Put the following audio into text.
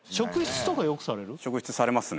職質されますね。